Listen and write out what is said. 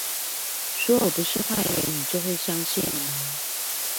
說我不是壞人你就會相信了嗎？